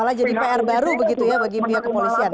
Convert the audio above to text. itu pr baru begitu ya bagi pihak kepolisian